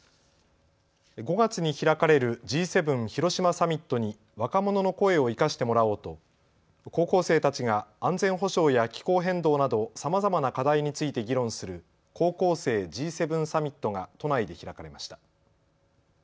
５月に開かれるＧ７広島サミットに若者の声を生かしてもらおうと高校生たちが安全保障や気候変動などさまざまな課題について議論する高校生Ｇ７サミットが都内で開かれました。